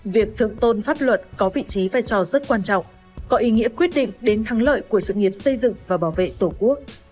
việc thượng tôn pháp luật có vị trí vai trò rất quan trọng có ý nghĩa quyết định đến thắng lợi của sự nghiệp xây dựng và bảo vệ tổ quốc